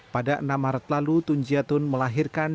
pada enam maret lalu tunjiatun melahirkan